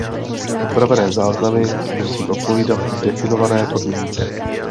Upravené záznamy musí odpovídat definované podmínce.